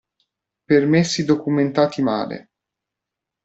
Permessi documentati male.